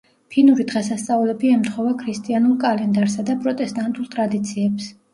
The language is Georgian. ფინური დღესასწაულები ემთხვევა ქრისტიანულ კალენდარსა და პროტესტანტულ ტრადიციებს.